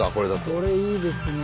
これいいですね。